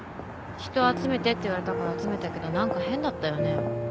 人集めてって言われたから集めたけど何か変だったよね。